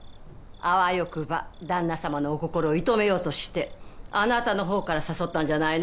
あわよくば旦那様のお心を射止めようとしてあなたのほうから誘ったんじゃないの？